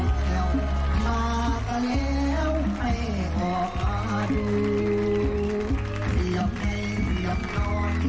มอลำคลายเสียงมาแล้วมอลำคลายเสียงมาแล้ว